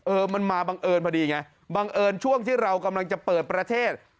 เออมันมาบังเอิญพอดีไงบังเอิญช่วงที่เรากำลังจะเปิดประเทศ